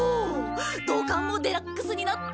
土管もデラックスになった！